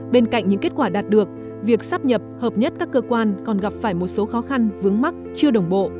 bên cạnh những kết quả đạt được việc sắp nhập hợp nhất các cơ quan còn gặp phải một số khó khăn vướng mắt chưa đồng bộ